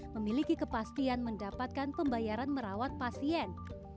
memiliki kepastian mendapatkan pembayaran merawat pasien